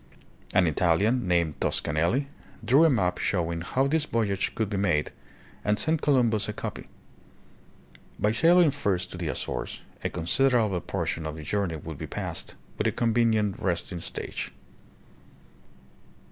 An Italian, named Toscanelli, drew a map showing how this voyage could be made, and sent Columbus a copy. By sailing first to the Azores, a considerable por tion of the journey would be passed, with a convenient resting stage.